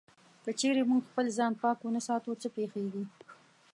که چېرې موږ خپل ځان پاک و نه ساتو، څه پېښيږي؟